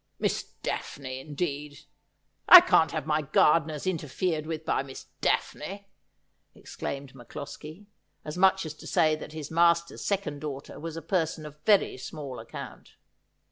' Miss Daphne, indeed ! I can't have my gardeners interfered with by Miss Daphne,' exclaimed MacCloskie ; as much as to say that his master's second daughter was a person of very small account.